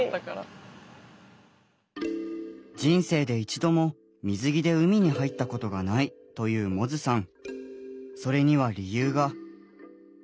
人生で一度も水着で海に入ったことがないという百舌さん。